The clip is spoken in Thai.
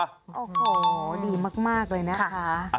โอ้โหดีมากเลยนะคะ